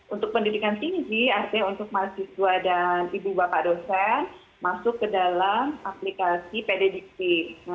untuk pendidikan tinggi artinya untuk mahasiswa dan ibu bapak dosen masuk ke dalam aplikasi pd diksi